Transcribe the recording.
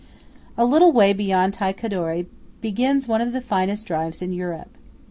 A little way beyond Tai Cadore begins one of the finest drives in Europe.